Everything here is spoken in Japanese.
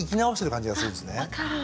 あ分かる。